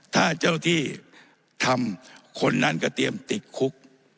ถ้าเจ้าที่ทำคนนั้นก็เตรียมติดคุก